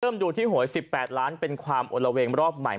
ดูที่หวย๑๘ล้านเป็นความโอละเวงรอบใหม่